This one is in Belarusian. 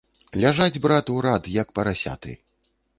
Ляжаць, брат, у рад, як парасяты.